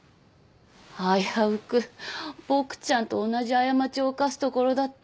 危うくボクちゃんと同じ過ちを犯すところだった。